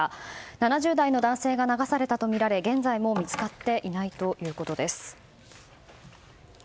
７０代の男性が流されたとみられ現在も見つかっていないということです。